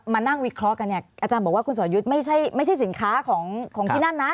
มานั่งวิเคราะห์กันเนี่ยอาจารย์บอกว่าคุณสอยุทธ์ไม่ใช่สินค้าของที่นั่นนะ